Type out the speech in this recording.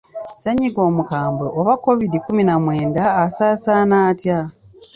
Ssennyiga omukambwe oba Kovidi kkumi na mwenda asaasaana atya?